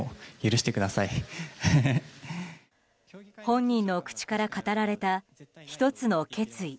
本人の口から語られた１つの決意。